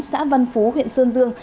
xã văn phú huyện sơn dương